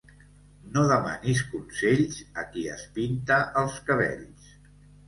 No demanis consells a qui es pinta els cabells.